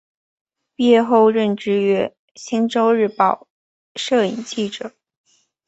毕业后任职于星洲日报摄影记者。